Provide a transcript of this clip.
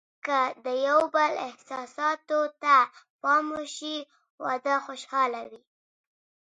که د یو بل احساساتو ته پام وشي، واده خوشحاله وي.